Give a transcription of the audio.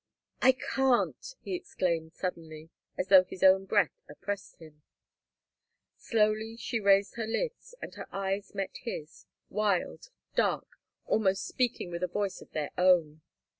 "I can't!" he exclaimed, suddenly, as though his own breath oppressed him. Slowly she raised her lids, and her eyes met his, wild, dark, almost speaking with a voice of their own.